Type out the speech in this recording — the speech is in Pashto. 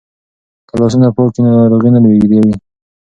که لاسونه پاک وي نو ناروغي نه لیږدیږي.